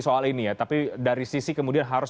soal ini ya tapi dari sisi kemudian harus